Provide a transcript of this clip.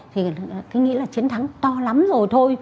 thì tôi nghĩ là chiến thắng to lắm rồi thôi